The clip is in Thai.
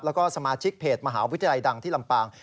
แล้วก็สมาชิกเพจมหาวิทยาลัยดังที่ลำปาง